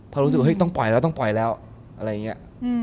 พอรู้สึกว่าต้องปล่อยแล้วต้องปล่อยแล้วอะไรอย่างนี้